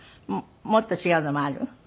もっと違うのもある？